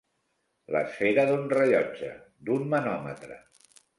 L'esfera d'un rellotge, d'un manòmetre.